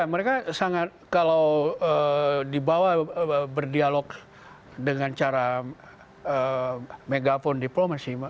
mereka sangat kalau dibawa berdialog dengan cara megaphone diplomacy